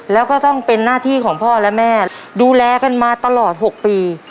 แล้วก็ต้องเป็นหน้าที่ของพ่อและแม่ดูแลกันมาตลอด๖ปี